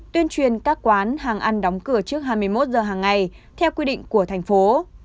tuyên truyền các quán hàng ăn đóng cửa trước hai mươi một giờ hàng ngày theo quy định của thành phố